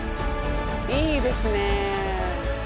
いいですね。